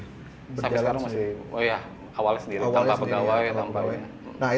sampai sekarang masih awalnya sendiri tanpa pegawai